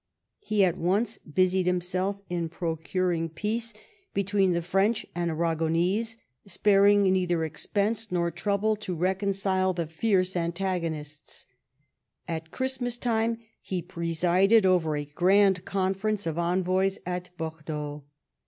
He at once busied himself in procuring peace between the 100 EDWARD I CHAP. French and Aragonese, sparing neither expense nor trouble to reconcile the fierce antagonists. At Christ mas time he presided over a grand conference of envoys at Bordeaux.